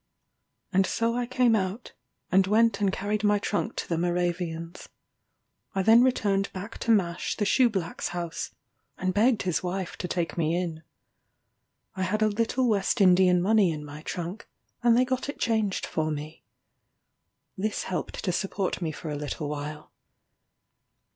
And so I came out, and went and carried my trunk to the Moravians. I then returned back to Mash the shoe black's house, and begged his wife to take me in. I had a little West Indian money in my trunk; and they got it changed for me. This helped to support me for a little while.